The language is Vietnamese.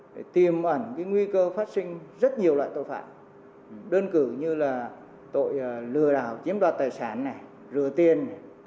để tìm ẩn nguy cơ phát sinh rất nhiều loại tội phạm đơn cử như là tội lừa đảo chiếm đoạt tài sản rửa tiền